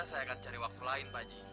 saya akan cari waktu lain pakji